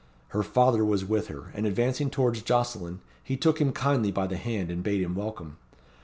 Her father was with her; and advancing towards Jocelyn, he took him kindly by the hand, and bade him welcome.